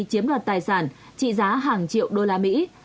chiếm đoạt tài sản trị giá hàng triệu đô la mỹ